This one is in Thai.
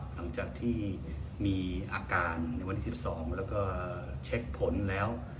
หลังจากที่มีอาการในวันที่๑๒แล้วก็เช็คผลแล้ว